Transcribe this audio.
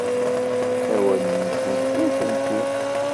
Awal-nsent, nutenti.